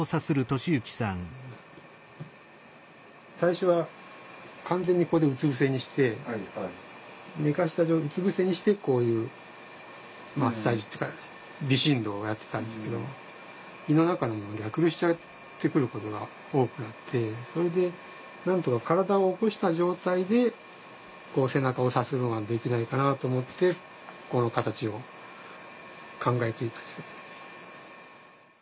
最初は完全にここでうつ伏せにして寝かしたうつ伏せにしてこういうマッサージっていうか微振動をやってたんですけど胃の中のもの逆流しちゃってくることが多くなってそれでなんとか体を起こした状態でこう背中をさするのができないかなと思ってこの形を考えついたんですけど。